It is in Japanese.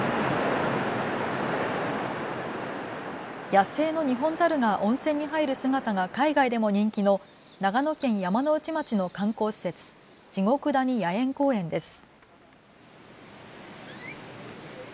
野生のニホンザルが温泉に入る姿が海外でも人気の長野県山ノ内町の観光施設地獄谷野猿公苑です。